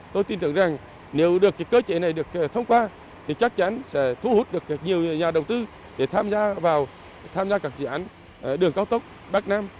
tôi tin tưởng rằng nếu được cơ chế này được thông qua thì chắc chắn sẽ thu hút được nhiều nhà đầu tư để tham gia vào tham gia các dự án đường cao tốc bắc nam